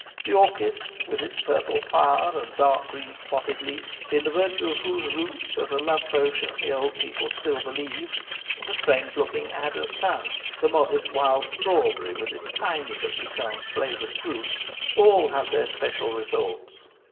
The orchis, with its purple flower and dark green spotted leaf, in the virtue of whose roots as a love potion the old people still believe, the strange looking adder's tongue, the modest wild strawberry, with its tiny but piquant flavoured fruit, all have their special resorts.